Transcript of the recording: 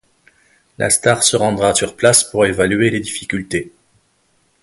La star se rendra sur place pour évaluer les difficultés.